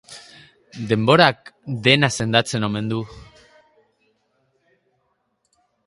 Denborak dena sendatzen omen du.